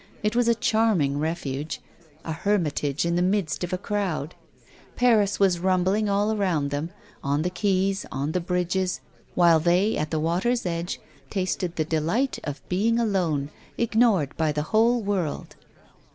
It was a charming refuge a hermitage in the midst of a crowd. Paris was rumbling around them, on the quays, on the bridges, while they at the water's edge tasted the delight of being alone, ignored by the whole world.